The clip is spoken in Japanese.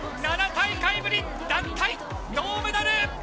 ７大会ぶり、団体銅メダル！